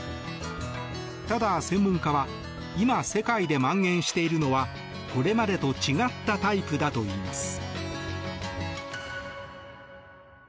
ただ、専門家は今、世界で蔓延しているのはこれまでと違ったタイプだといいます。